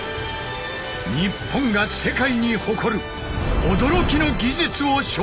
日本が世界に誇る驚きの技術を紹介する！